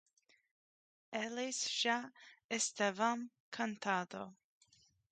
Eles já estavam cantando.